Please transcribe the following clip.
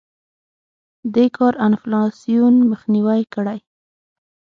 دې کار انفلاسیون مخنیوی کړی.